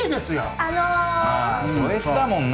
あのまあドＳだもんな